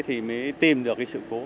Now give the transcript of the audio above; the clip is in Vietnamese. thì mới tìm được sự cố